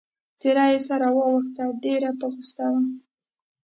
څېره يې سره واوښته، ډېره په غوسه وه.